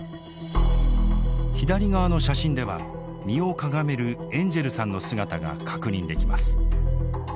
左側の写真では身をかがめるエンジェルさんの姿が確認できます。